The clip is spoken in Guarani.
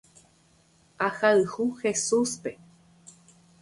Ahayhu Jesúspe.